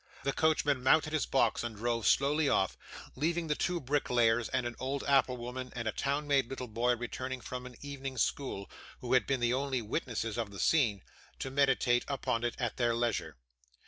The coachman mounted his box and drove slowly off, leaving the two bricklayers, and an old apple woman, and a town made little boy returning from an evening school, who had been the only witnesses of the scene, to meditate upon it at their leisure.